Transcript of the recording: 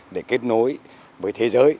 để kết nối với thế giới